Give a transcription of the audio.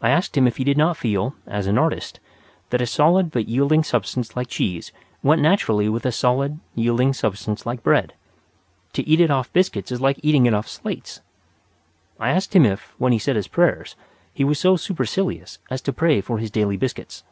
I asked him if he did not feel, as an artist, that a solid but yielding substance like cheese went naturally with a solid, yielding substance like bread; to eat it off biscuits is like eating it off slates. I asked him if, when he said his prayers, he was so supercilious as to pray for his daily biscuits.